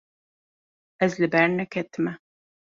Ez li ber neketime.